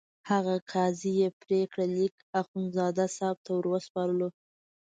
هغه قضایي پرېکړه لیک اخندزاده صاحب ته وروسپارلو.